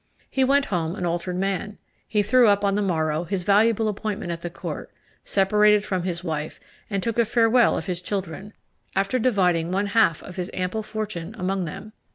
He went home an altered man. He threw up, on the morrow, his valuable appointment at the court, separated from his wife, and took a farewell of his children, after dividing one half of his ample fortune among them.